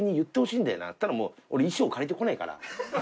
そしたらもう俺衣装借りてこないから。